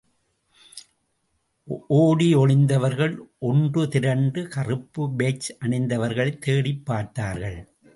ஒடி ஒளிந்தவர்கள், ஒன்றுதிரண்டு, கறுப்பு பேட்ஜ் அணிந்தவர்களை தேடிப் பார்த்தார்கள்.